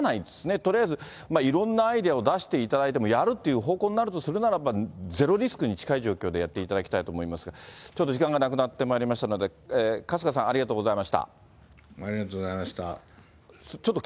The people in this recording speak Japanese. とりあえずいろんなアイデアを出していただいて、やるっていう方向になるとするならば、ゼロリスクに近い状況でやっていただきたいと思いますが、ちょっと時間がなくなってまいりましたので、春日さん、ありがとありがとうございました。